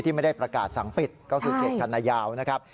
ไม่ได้ประกาศสั่งปิดก็คือเขตคันนายาวนะครับ